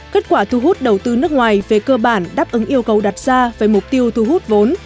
kết quả thu hút đầu tư nước ngoài về cơ bản đáp ứng yêu cầu đặt ra về mục tiêu thu hút vốn